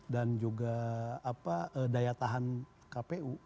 dan juga apa daya tahan kpu